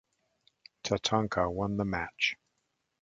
Tatanka won the match.